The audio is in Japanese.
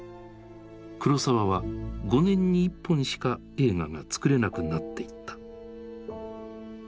黒澤は５年に１本しか映画が作れなくなっていった。